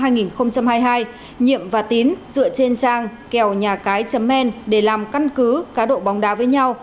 nhiệm và tín dựa trên trang kèo nhà cái men để làm căn cứ cá độ bóng đá với nhau